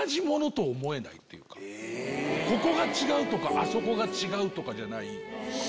ここが違うとかあそこが違うとかじゃない。